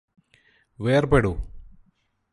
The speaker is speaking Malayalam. വേര്പെടൂ